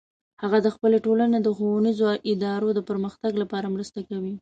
هغه د خپل ټولنې د ښوونیزو ادارو د پرمختګ لپاره مرسته کوي